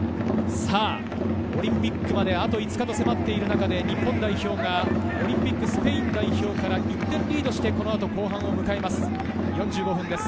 オリンピックまで、あと５日と迫っている中で日本代表が、スペイン代表から１点リードして後半を迎えます。